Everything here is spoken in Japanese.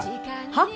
「はっ？」